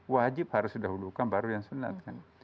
wajib harus didahulukan baru yang sunat kan